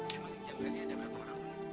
ya makanya jambretnya ada berapa orang